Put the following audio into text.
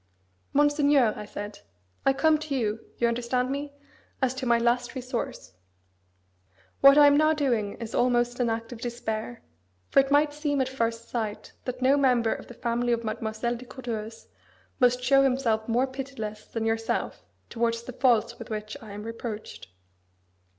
"Monseigneur!" I said, "I come to you (you understand me?) as to my last resource. What I am now doing is almost an act of despair; for it might seem at first sight that no member of the family of Mademoiselle de Courteheuse must show himself more pitiless than yourself towards the faults with which I am reproached.